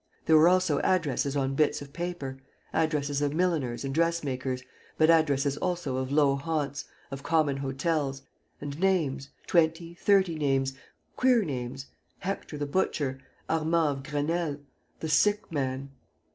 There were also addresses on bits of paper, addresses of milliners and dressmakers, but addresses also of low haunts, of common hotels. ... And names ... twenty, thirty names ... queer names: Hector the Butcher, Armand of Grenelle, the Sick Man